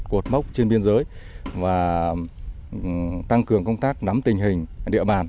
cột mốc trên biên giới và tăng cường công tác nắm tình hình địa bàn